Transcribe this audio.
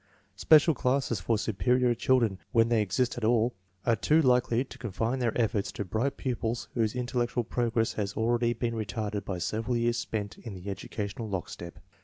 Special classes for superior children, when they exist at all, are too likely to confine their efforts to bright pupils whose intellectual progress has already been retarded by several years spent in the educational lockstep.